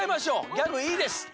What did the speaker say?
ギャグいいです。